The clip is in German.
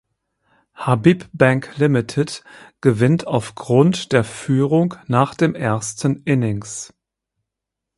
Habib Bank Limited gewinnt auf Grund der Führung nach dem ersten Innings.